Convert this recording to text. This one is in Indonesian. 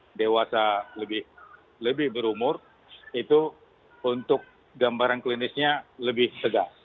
untuk dewasa lebih berumur itu untuk gambaran klinisnya lebih tegas